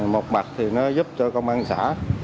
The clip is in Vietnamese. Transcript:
một mặt thì nó giúp cho công an xã